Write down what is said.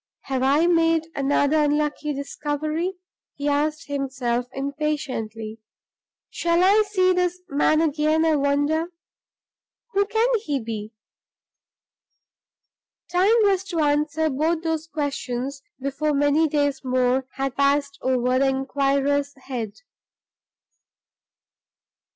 "Have I made another unlucky discovery?" he asked himself, impatiently. "Shall I see this man again, I wonder? Who can he be?" Time was to answer both those questions before many days more had passed over the inquirer's head.